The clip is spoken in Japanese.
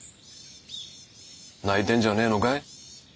泣いてんじゃねえのかい？